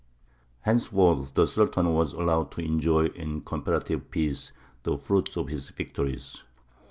Henceforward the Sultan was allowed to enjoy in comparative peace the fruits of his victories.